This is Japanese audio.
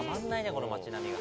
この街並みが。